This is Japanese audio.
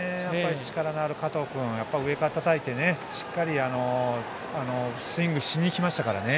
力のある加藤君、上からたたいてしっかりスイングしにいきましたからね。